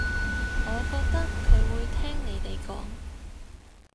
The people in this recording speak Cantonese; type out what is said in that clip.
我覺得佢會聽你哋講